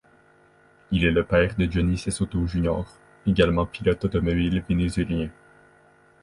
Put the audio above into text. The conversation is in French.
Il est le père de Johnny Cecotto Jr., également pilote automobile vénézuélien.